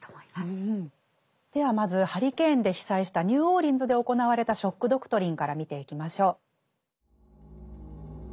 ではまずハリケーンで被災したニューオーリンズで行われた「ショック・ドクトリン」から見ていきましょう。